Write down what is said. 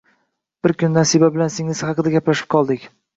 Bir kuni Nasiba bilan singlisi haqida gaplashib qoldik